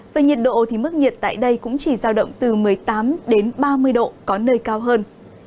về nhiệt độ thì mức nhiệt tại đây cũng chỉ giao động từ một mươi tám đến ba mươi độ có nơi cao hơn